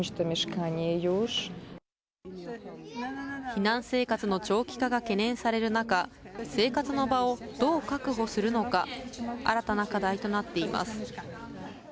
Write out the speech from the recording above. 避難生活の長期化が懸念される中、生活の場をどう確保するのか、新たな課題となっています。